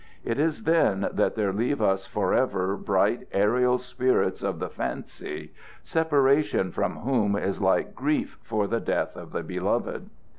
It is then that there leave us forever bright, aerial spirits of the fancy, separation from whom is like grief for the death of the beloved.